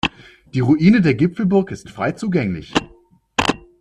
Die Ruine der Gipfelburg ist frei zugänglich.